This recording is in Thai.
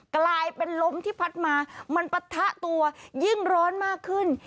กลายเป็นลมที่พัดมามันปะทะตัวยิ่งร้อนมากขึ้น